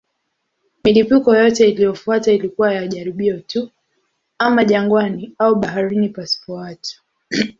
Milipuko yote iliyofuata ilikuwa ya jaribio tu, ama jangwani au baharini pasipo watu.